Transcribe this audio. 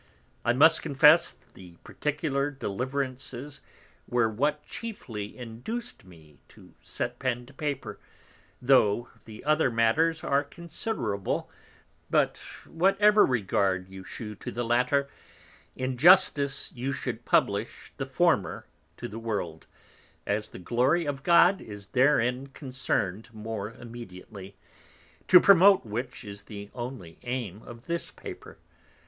I must confess the particular Deliverances were what chiefly induced me to set Pen to Paper, tho' the other Matters are Considerable, but whatever regard you shew to the latter, in Justice you should publish the former to the World, as the Glory of God is therein concern'd more immediately, to promote which, is the only aim of this Paper.